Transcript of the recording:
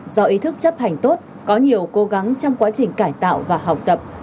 do ý thức chấp hành tốt có nhiều cố gắng trong quá trình cải tạo và học tập